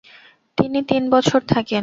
তিনি তিন বছর থাকেন।